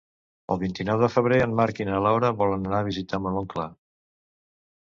El vint-i-nou de febrer en Marc i na Laura volen anar a visitar mon oncle.